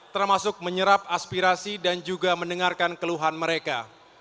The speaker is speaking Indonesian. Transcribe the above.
termasuk menyerap aspirasi dan juga mendengarkan keluhan mereka